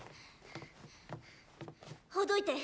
ほどいて。